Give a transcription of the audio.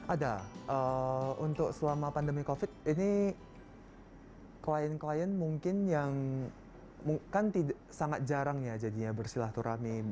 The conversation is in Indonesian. ada untuk selama pandemi covid ini klien klien mungkin yang kan sangat jarang ya jadinya bersilah turami